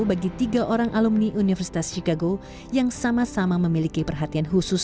bagi tiga orang alumni universitas chicago yang sama sama memiliki perhatian khusus